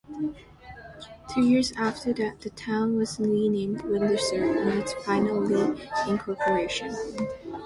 Two years after that, the town was renamed Windsor in its final reincorporation.